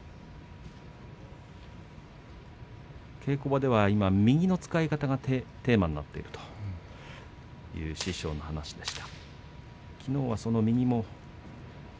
稽古場では今右の使い方がテーマになっているという師匠の話でした。